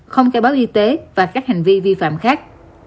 không khai báo y tế và các hành vi vi phạm khác